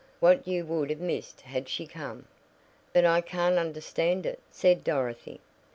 "What you would have missed had she come!" "But I can't understand it," said Dorothy.